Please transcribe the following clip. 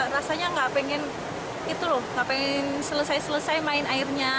rasanya nggak pengen itu lho nggak pengen selesai selesai main airnya